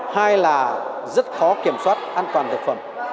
hai là rất khó kiểm soát an toàn thực phẩm